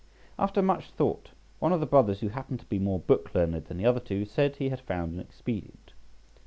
After much thought, one of the brothers, who happened to be more book learned than the other two, said he had found an expedient.